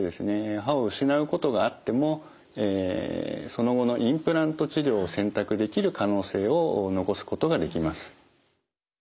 歯を失うことがあってもその後のインプラント治療を選択できる可能性を残すことができます。